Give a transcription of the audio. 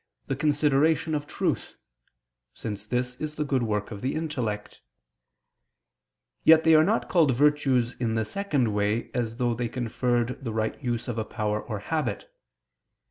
the consideration of truth (since this is the good work of the intellect): yet they are not called virtues in the second way, as though they conferred the right use of a power or habit.